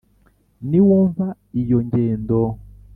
Niwumva iyo ngendo